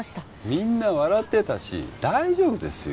みんな笑ってたし大丈夫ですよ